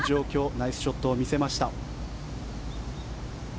ナイスショットを見せました。